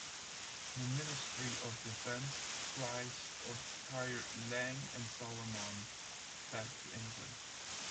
The Ministry of Defence flies a tired Lang and Solomon back to England.